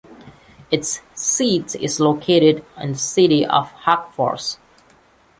Its seat is located in the city of Hagfors.